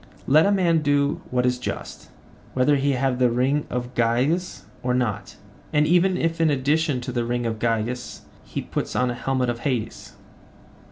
Let a man do what is just, whether he have the ring of Gyges or not, and even if in addition to the ring of Gyges he put on the helmet of Hades.